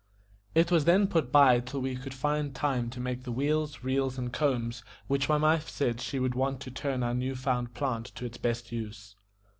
It was then put by till we could find time to make the wheels, reels, and combs which my wife said that she would want to turn our new found plant to its best use.